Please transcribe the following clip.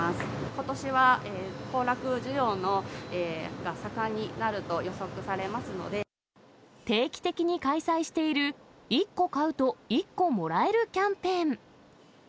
ことしは行楽需要が盛んになると定期的に開催している、１個買うと１個もらえるキャンペーン。